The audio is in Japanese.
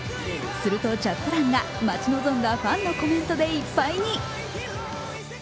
すると、チャット欄が、待ち望んだファンのコメントでいっぱいに。